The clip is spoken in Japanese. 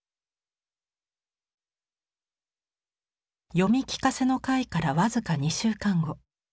読み聞かせの会から僅か２週間後。